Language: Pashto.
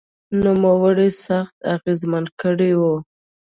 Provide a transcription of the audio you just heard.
نوموړي یې سخت اغېزمن کړی و